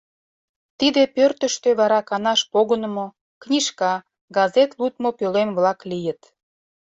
Тиде пӧртыштӧ вара канаш погынымо, книжка, газет лудмо пӧлем-влак лийыт.